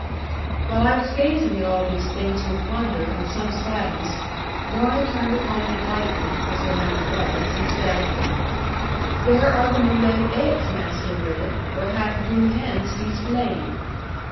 While I was gazing at all these things with wonder and some sadness, Lorna turned upon me lightly (as her manner was) and said, 'Where are the new laid eggs, Master Ridd? Or hath blue hen ceased laying?'